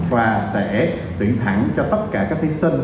và sẽ tuyển thẳng cho tất cả các thí sinh